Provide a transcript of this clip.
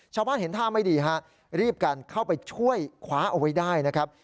ชาวบ้านเห็นท่าไม่ดีฮะรีบกันเข้าไปช่วยคว้าเอาไว้ได้นะครับ